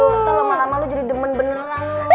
ngga tau lama lama lo jadi demen beneran